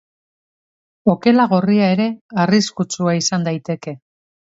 Okela gorria ere arriskutsua izan daiteke.